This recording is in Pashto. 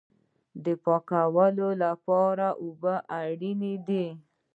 د پاکوالي لپاره اوبه اړین دي